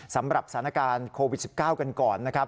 สำหรับสถานการณ์โควิด๑๙กันก่อนนะครับ